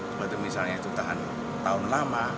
seperti misalnya itu tahan tahun lama